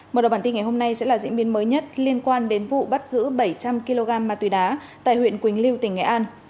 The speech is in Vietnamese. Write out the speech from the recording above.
mở đầu bản tin ngày hôm nay sẽ là diễn biến mới nhất liên quan đến vụ bắt giữ bảy trăm linh kg ma túy đá tại huyện quỳnh lưu tỉnh nghệ an